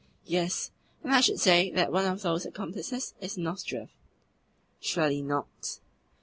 "Yes; and I should say that one of those accomplices is Nozdrev." "Surely not?"